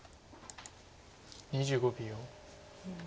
２５秒。